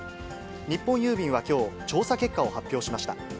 日本郵便はきょう、調査結果を発表しました。